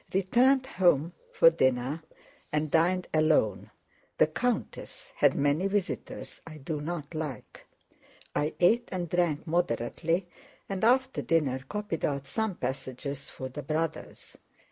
Returned home for dinner and dined alone—the countess had many visitors I do not like. I ate and drank moderately and after dinner copied out some passages for the Brothers.